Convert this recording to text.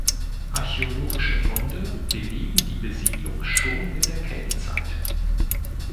Archäologische Funde belegen die Besiedlung schon in der Keltenzeit.